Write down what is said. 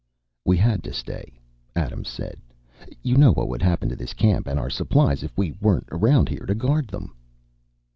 "We had to stay," Adams said. "You know what would happen to this camp and our supplies if we weren't around here to guard them."